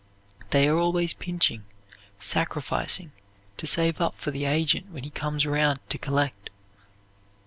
They are always pinching, sacrificing, to save up for the agent when he comes around to collect.